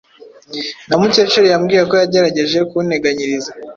Na Mukecuru yambwiye ko yagerageje kunteganyiriza.